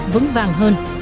vững vàng hơn